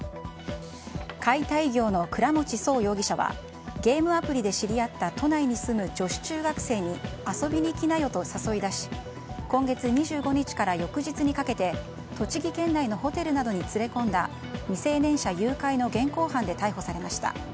解体業の倉持颯容疑者はゲームアプリで知り合った都内に住む女子中学生に遊びに来なよと誘い出し今月２５日から翌日にかけて栃木県内のホテルなどに連れ込んだ未成年者誘拐の現行犯で逮捕されました。